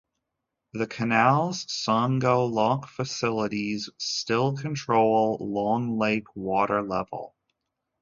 The canal's Songo Lock facilities still control Long Lake water level.